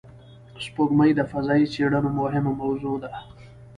سپوږمۍ د فضایي څېړنو مهمه موضوع ده